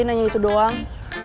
nanya itu doang